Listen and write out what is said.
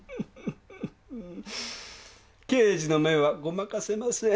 刑事の目はごまかせません。